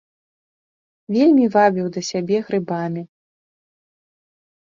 Вельмі вабіў да сябе грыбамі.